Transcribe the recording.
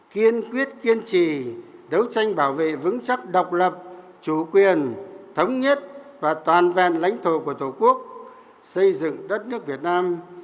kiên quyết kiên trì đấu tranh bảo vệ vững chắc độc lập chủ quyền thống nhất và toàn vẹn lãnh thổ của tổ quốc xây dựng đất nước việt nam